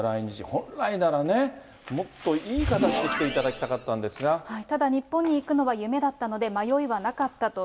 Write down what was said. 本来ならね、もっといい形で来てただ、日本に行くのは夢だったので、迷いはなかったと。